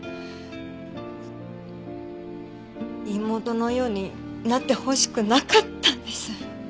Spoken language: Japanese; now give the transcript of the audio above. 妹のようになってほしくなかったんです。